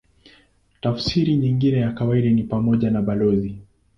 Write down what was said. Tafsiri nyingine ya kawaida ni pamoja na balozi.